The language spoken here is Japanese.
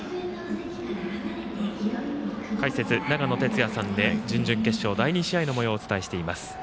解説、長野哲也さんで準々決勝第２試合のもようをお伝えしています。